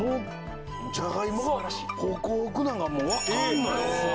じゃがいもがホクホクなのがもうわかるのよ。